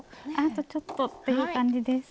あとちょっとっていう感じです。